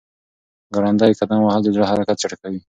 ګړندی قدم وهل د زړه حرکت چټکوي.